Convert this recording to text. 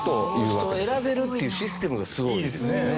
その人を選べるっていうシステムがすごいですね。